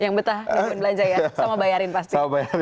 yang betah jangan belanja ya sama bayarin pasti